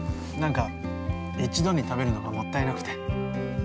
なんか一度に食べるのがもったいなくて。